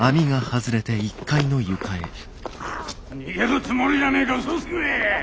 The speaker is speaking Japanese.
逃げるつもりじゃねえかうそつきめ！